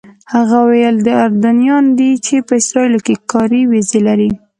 هغه وویل دا اردنیان دي چې په اسرائیلو کې کاري ویزې لري.